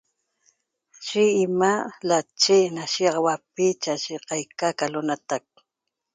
yi ima'a lache'e na shiyaaxahuapi cha aye qaica ca lo'onatac.